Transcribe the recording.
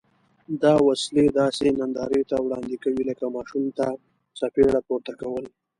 دا وسلې داسې نندارې ته وړاندې کوي لکه ماشوم ته څپېړه پورته کول.